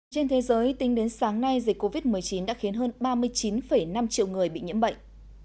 trên thế giới tính đến sáng nay dịch covid một mươi chín đã khiến hơn ba mươi chín năm triệu người bị nhiễm bệnh